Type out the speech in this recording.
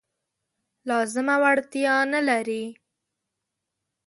لازمه وړتیا نه لري.